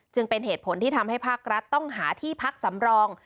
เป็นเหตุผลที่ทำให้ภาครัฐต้องหาที่พักสำรอง